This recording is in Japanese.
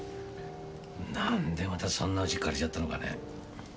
何でまたそんな家借りちゃったのかね。